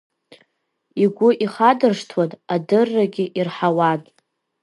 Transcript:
Игәы ихадыршҭуан, адыррагьы ирҳауан.